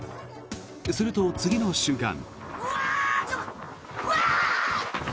すると、次の瞬間。